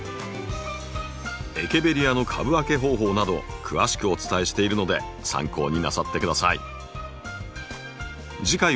エケベリアの株分け方法など詳しくお伝えしているので参考になさって下さい。